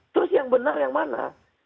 terus yang benar yang mana